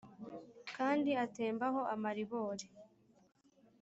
Kandi atemba ho amaribori